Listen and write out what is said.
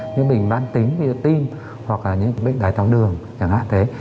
những bệnh bán tính bệnh tiêm hoặc là những bệnh đáy thóng đường chẳng hạn thế